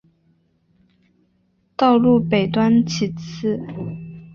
道路北端起自。